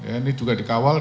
ini juga dikawal